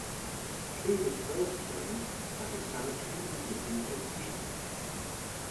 Klee was first trained as a sanitary and heating technician.